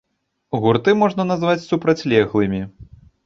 Гурты можна назваць супрацьлеглымі.